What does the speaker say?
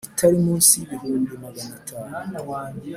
Itari munsi y ibihumbi magana atanu